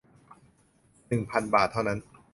หนึ่งพัน บาทเท่านั้น